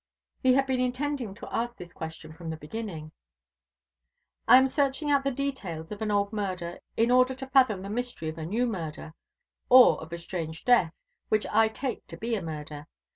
He had been intending to ask this question from the beginning. "I am searching out the details of an old murder in order to fathom the mystery of a new murder, or of a strange death, which I take to be a murder.